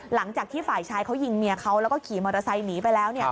หลังจากที่ฝ่ายชายเขายิงเมียเขาแล้วก็ขี่มอเตอร์ไซค์หนีไปแล้ว